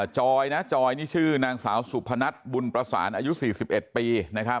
จอยนางสาวสุพนัทบุญประสานอายุ๔๑ปี